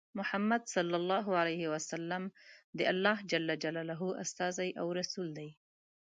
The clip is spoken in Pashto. محمد ص د الله ج استازی او رسول دی.